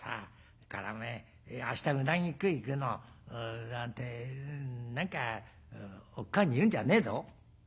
それからおめえ明日うなぎ食い行くのなんて何かおっかあに言うんじゃねえぞ」。